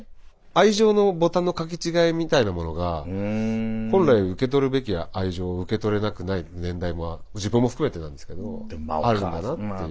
愛情のボタンのかけ違いみたいなものが本来受け取るべき愛情を受け取れなくない年代も自分も含めてなんですけどあるんだなっていう。